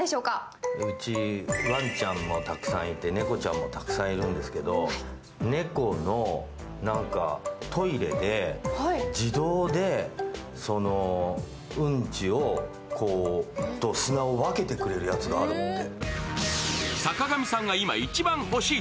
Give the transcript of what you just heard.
うち、ワンちゃんもたくさんいて、猫ちゃんもたくさんいるんですけど猫のトイレで自動で、うんちと砂を分けてくれるやつがあるって。